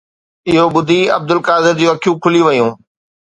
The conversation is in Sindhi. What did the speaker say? اهو ٻڌي عبدالقادر جون اکيون کلي ويون